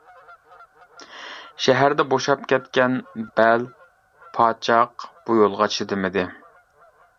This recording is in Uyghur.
شەھەردە بوشاپ كەتكەن، بەل، پاچاق بۇ يولغا چىدىمىدى.